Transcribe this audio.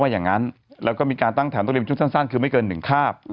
อย่างนั้นแล้วก็มีการตั้งฐานทุเรียนชุดสั้นคือไม่เกิน๑คาบ